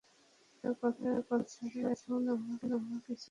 কথা বলা ছাড়া এখন আমার কিছুই করার শক্তি নেই।